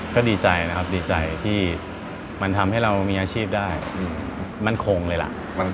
ก็ดีใจนะครับดีใจที่มันทำให้เรามีอาชีพได้มั่นคงเลยล่ะ